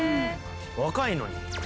「若いのに」